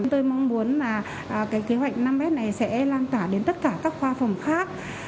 tôi mong muốn là cái kế hoạch năm s này sẽ lan tỏa đến tất cả các khoa phòng khác